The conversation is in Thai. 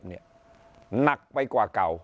หนักไปกว่าเก่า